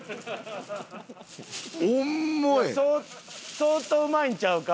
相当うまいんちゃうか？